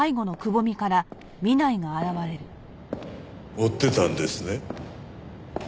追ってたんですね？